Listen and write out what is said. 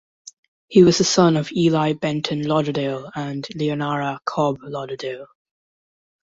He was the son of Eli Benton Lauderdale and Leonora (Cobb) Lauderdale.